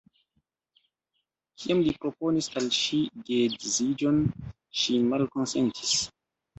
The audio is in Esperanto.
Kiam li proponis al ŝi geedziĝon, ŝi malkonsentis.